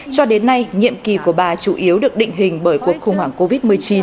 cho đến nay nhiệm kỳ của bà chủ yếu được định hình bởi cuộc khủng hoảng covid một mươi chín